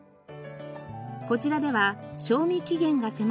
こちらでは賞味期限が迫り